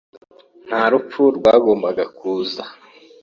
Nta rupfu rwagombaga kuza